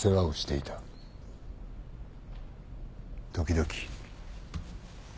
時々。